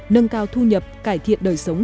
nâng cao thu nhập cải thiện đời sống